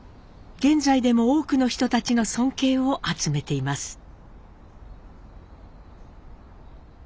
現在でも多くの人たちの尊敬を集めています。